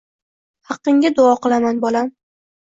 Haqqingga duo qilaman, bolam